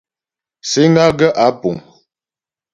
Síŋ á gaə̂ ǎ pùŋ.